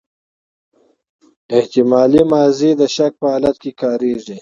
احتمالي ماضي د شک په حالت کښي کاریږي.